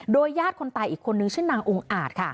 โดยญาติคนตายอีกคนนึงชื่อนางองค์อาท